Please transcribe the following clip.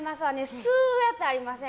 吸うやつありません？